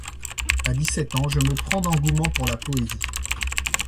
À dix-sept ans, je me prends d'engouement pour la poésie.